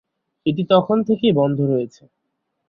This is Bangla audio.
এটি তখন থেকেই বন্ধ রয়েছে।